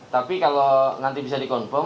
tapi kalau nanti bisa dikonfirmasi